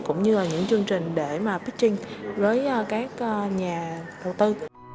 cũng như là những chương trình để mà pickching với các nhà đầu tư